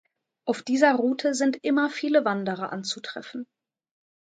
Auf dieser Route sind immer viele Wanderer anzutreffen.